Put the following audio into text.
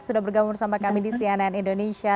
sudah bergabung bersama kami di cnn indonesia